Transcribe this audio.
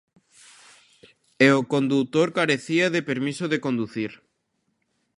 E o condutor carecía de permiso de conducir.